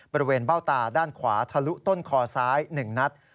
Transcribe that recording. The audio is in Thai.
บริเวณเบ้าตาด้านขวาทะลุต้นคอซ้าย๑นัด